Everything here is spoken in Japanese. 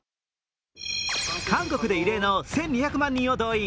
韓国で異例の１２００万人を動員。